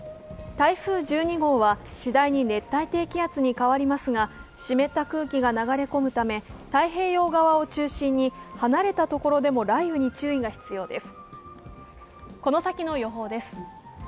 台風１２号は次第に熱帯低気圧に変わりますが、湿った空気が流れ込むため太平洋側を中心に離れたところでも雷雨に注意が必要です。